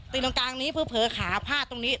ตรงกลางนี้เผลอขาพาดตรงนี้